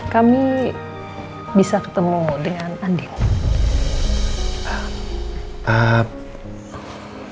kami bisa ketemu dengan andi